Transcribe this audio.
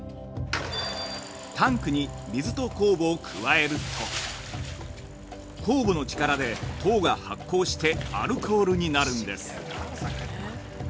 タンクに水と酵母を加えると酵母の力で糖が発酵してアルコールになるんです。